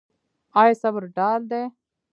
آیا صبر ډال دی؟